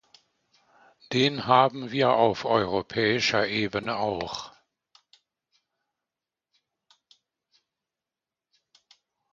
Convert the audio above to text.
Den haben wir auf europäischer Ebene auch.